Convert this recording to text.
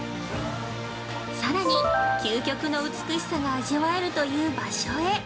さらに究極の美しさが味わえるという場所へ。